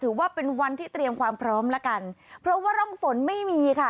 ถือว่าเป็นวันที่เตรียมความพร้อมแล้วกันเพราะว่าร่องฝนไม่มีค่ะ